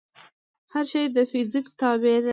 هر شی د فزیک تابع دی.